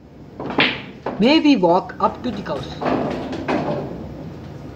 May we walk up to the House?